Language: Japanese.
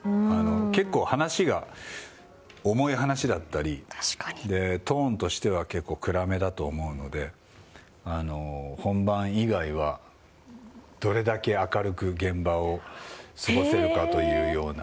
結構、話が重い話だったりトーンとしては結構暗めだと思うので本番以外は、どれだけ明るく現場を過ごせるかというような。